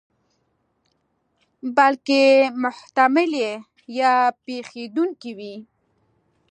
بلکې محتملې یا پېښېدونکې وي.